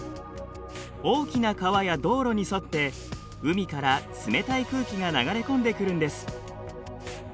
大きな川や道路に沿って海から冷たい空気が流れ込んでくるんです。